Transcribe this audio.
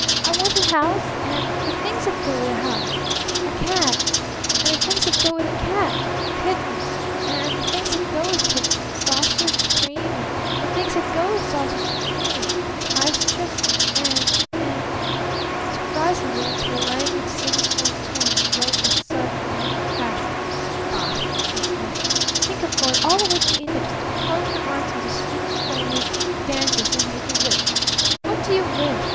"I want a house and the things that go with a house: a cat, and the things that go with a cat; kittens, and the things that go with kittens; saucers of cream, and the things that go with saucers of cream; ice chests, and and " Surprisingly into her languid, sing song tone broke a sudden note of passion. "Bah!" she snapped. "Think of going all the way to India just to plunge your arms into the spooky, foamy Ganges and 'make a wish'! 'What do you wish?'